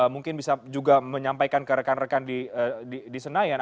mungkin bisa juga menyampaikan ke rekan rekan di senayan